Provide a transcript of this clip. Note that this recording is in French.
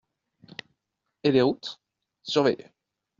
Et les routes ? Surveillées.